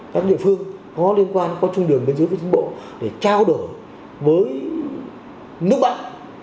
các địa phương có liên quan có chung đường bên dưới với chính bộ để trao đổi với nước bạn